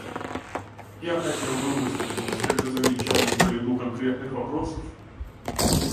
Я хотел бы высказать несколько замечаний по ряду конкретных вопросов.